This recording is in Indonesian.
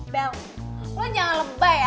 bel lu jangan lebay ya